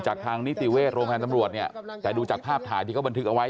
ทางนิติเวชโรงพยาบาลตำรวจเนี่ยแต่ดูจากภาพถ่ายที่เขาบันทึกเอาไว้